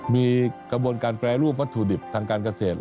มีกระบวนการแปรรูปวัตถุดิบทางการเกษตร